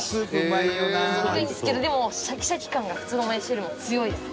細いんですけどでもシャキシャキ感が普通のもやしよりも強いです。